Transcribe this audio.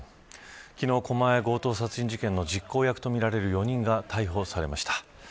昨日、狛江強盗殺人事件の実行役とみられる４人が逮捕されました。